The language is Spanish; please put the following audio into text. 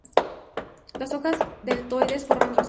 Las hojas deltoides forman rosetas.